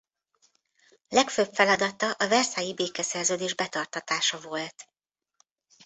Legfőbb feladata a versailles-i békeszerződés betartatása volt.